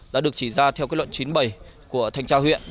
đã được chỉ ra theo kết luận chín mươi bảy của thành trao huyện